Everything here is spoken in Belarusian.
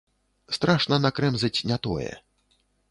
Страшна накрэмзаць не тое.